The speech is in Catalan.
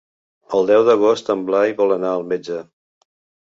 El deu d'agost en Blai vol anar al metge.